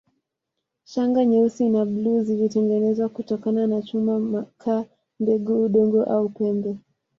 Shanga nyeusi na bluu zilitengenezwa kutokana na chuma makaa mbegu udongo au pembe